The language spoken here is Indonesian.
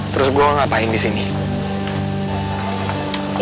terus gue ngapain disini